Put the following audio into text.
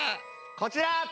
こちら！